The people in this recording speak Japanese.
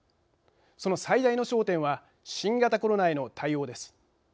その最大の焦点は新型コロナへの対応です。